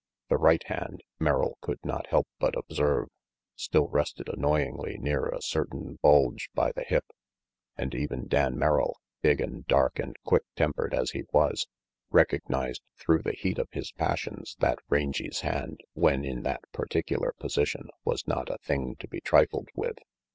The right hand, Merrill could not help but observe, still rested annoyingly near a certain bulge by the hip. And even Dan Merrill, big and dark and quick tempered as he was, recognized through the heat of his passions that Rangy 's hand, when in that particular position, was not a thing to be trifled with.